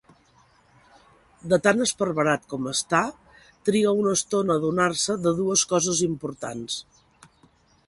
De tan esparverat com està, triga una estona a adonar-se de dues coses importants.